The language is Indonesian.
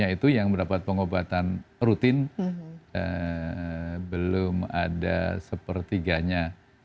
itu yang mendapat pengobatan rutin belum ada sepertiganya